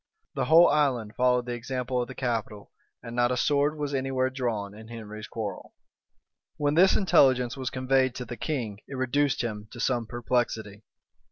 The whole island followed the example of the capital; and not a sword was any where drawn in Henry's quarrel. When this intelligence was conveyed to the king, it reduced him to some perplexity.